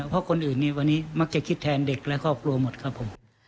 เพราะคนอื่นนี้วันนี้มักจะคิดแทนเด็กและครอบครัวหมดครับผม